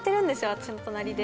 私の隣で。